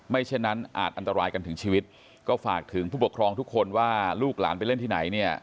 เช่นนั้นอาจอันตรายกันถึงชีวิตก็ฝากถึงผู้ปกครองทุกคนว่าลูกหลานไปเล่นที่ไหนเนี่ย